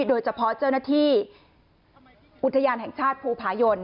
โดยเฉพาะเจ้าหน้าที่อุทยานแห่งชาติภูผายน